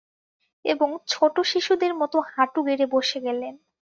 এবং ছোট শিশুদের মতো হাঁটু গেড়ে বসে গেলেন।